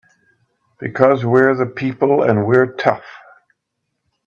Because we're the people and we're tough!